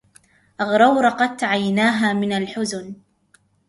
اغرورقت عيناها من الحزن.